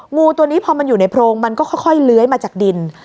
งูตัวนี้พอมันอยู่ในโพรงมันก็ค่อยเลื้อยมาจากดิน